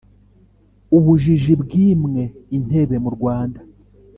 ubujiji bwimwe intebe mu rwanda